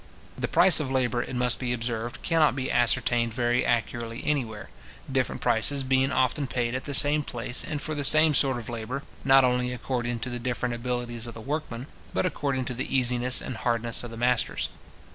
The price of labour, it must be observed, cannot be ascertained very accurately anywhere, different prices being often paid at the same place and for the same sort of labour, not only according to the different abilities of the workman, but according to the easiness or hardness of the masters.